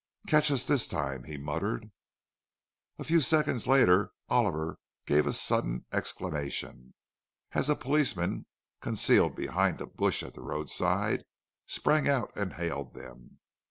"Catch us this time!" he muttered. A few seconds later Oliver gave a sudden exclamation, as a policeman, concealed behind a bush at the roadside, sprang out and hailed them.